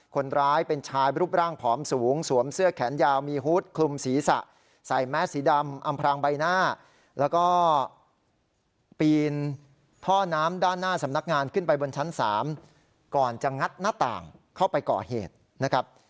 คนร้ายเป็นชายรูปร่างผอมสูงสวมเสื้อแขนยาวมีฮูตคลุมศีรษะใส่แมสสีดำอำพรางใบหน้าแล้วก็ปีนท่อน้ำด้านหน้าสำนักงานขึ้นไปบนชั้น๓ก่อนจะงัดหน้าต่างเข้าไปก่อเหตุนะครับ